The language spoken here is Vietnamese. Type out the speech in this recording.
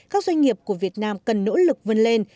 các doanh nghiệp của việt nam cần nỗ lực vươn lên